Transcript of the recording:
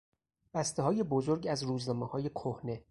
بستههای بزرگی از روزنامههای کهنه